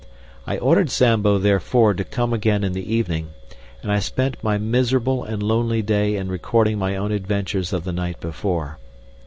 I ordered Zambo, therefore, to come again in the evening, and I spent my miserable and lonely day in recording my own adventures of the night before.